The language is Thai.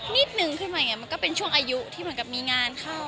นิดนึงขึ้นมาอย่างนี้มันก็เป็นช่วงอายุที่เหมือนกับมีงานเข้า